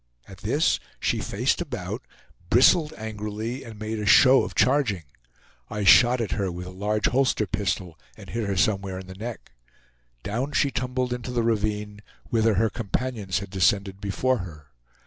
At this she faced about, bristled angrily, and made a show of charging. I shot at her with a large holster pistol, and hit her somewhere in the neck. Down she tumbled into the ravine, whither her companions had descended before her.